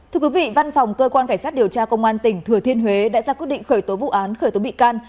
thưa quý vị văn phòng cơ quan cảnh sát điều tra công an tỉnh thừa thiên huế đã ra quyết định khởi tố vụ án khởi tố bị can